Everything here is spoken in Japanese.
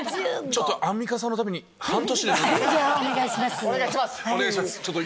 ちょっとアンミカさんのためお願いします。